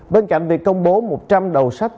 bên cạnh việc công bố một trăm linh đầu sách